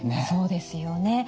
そうですよね。